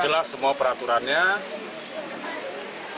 ketika dianggap terlalu banyak